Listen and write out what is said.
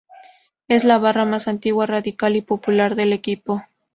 Es la barra más antigua, radical y popular del equipo.